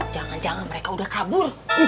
jangan jangan mereka udah kabur